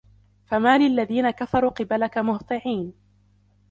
فَمَالِ الَّذِينَ كَفَرُوا قِبَلَكَ مُهْطِعِينَ